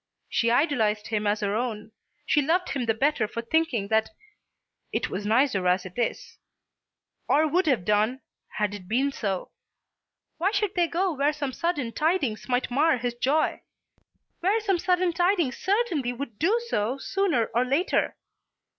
She idolised him as her own. She loved him the better for thinking that "it was nicer as it is;" or would have done, had it been so. Why should they go where some sudden tidings might mar his joy; where some sudden tidings certainly would do so sooner or later?